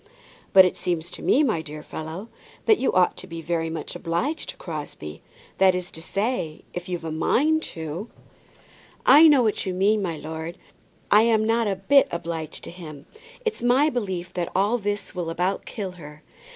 "But it seems to me, my dear fellow, that you ought to be very much obliged to Crosbie; that is to say, if you've a mind to " "I know what you mean, my lord. I am not a bit obliged to him. It's my belief that all this will about kill her.